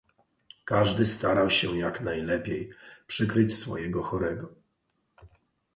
"Każdy starał się jak najlepiej przykryć swojego chorego."